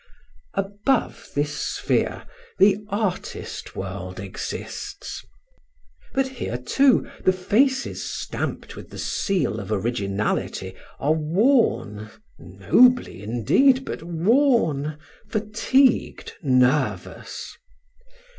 Above this sphere the artist world exists. But here, too, the faces stamped with the seal of originality are worn, nobly indeed, but worn, fatigued, nervous.